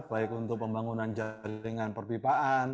baik untuk pembangunan jaringan perpipaan